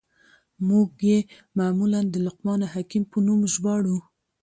موږ ئې معمولاً د لقمان حکيم په نوم ژباړو.